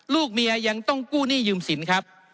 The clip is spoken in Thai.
ลูกเมียยังต้องกู้หนี้ยืมสินครับ